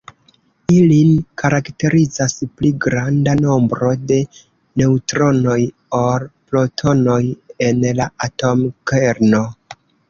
Ilin karakterizas pli granda nombro de neŭtronoj ol protonoj en la atomkerno.